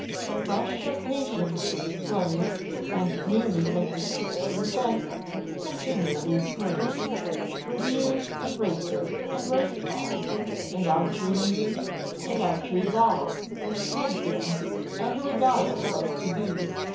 Fresh occasions for display, and new necessities for expense, continually occurred. Reviews, and races, and race balls, and archery meetings, and archery balls, had been, and a regatta was to be.